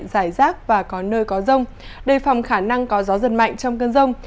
giải rác và có nơi có rông đề phòng khả năng có gió giật mạnh trong cơn rông